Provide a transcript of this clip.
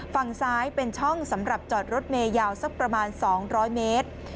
ฝั่งซ้ายเป็นช่องสำหรับจอดรถเมยาวสักประมาณ๒๐๐เมตร